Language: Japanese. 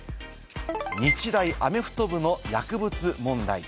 日大アメフト部の薬物問題。